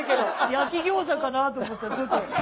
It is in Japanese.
焼きギョーザかなと思ったらちょっと。